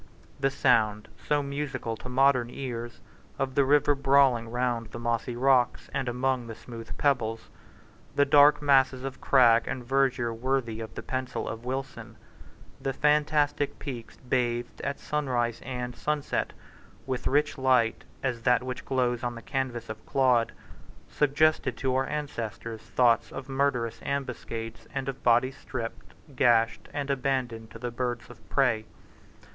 The sound, so musical to modern ears, of the river brawling round the mossy rocks and among the smooth pebbles, the dark masses of crag and verdure worthy of the pencil of Wilson, the fantastic peaks bathed, at sunrise and sunset, with light rich as that which glows on the canvass of Claude, suggested to our ancestors thoughts of murderous ambuscades and of bodies stripped, gashed, and abandoned to the birds of prey.